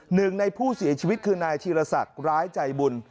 หนึ่งในผู้เสียชีวิตคือนายธีรศักดิ์ร้ายใจบุญ